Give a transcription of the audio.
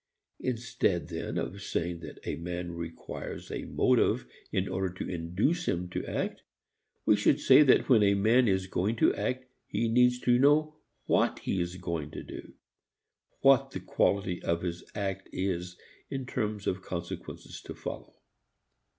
Instead then of saying that a man requires a motive in order to induce him to act, we should say that when a man is going to act he needs to know what he is going to do what the quality of his act is in terms of consequences to follow.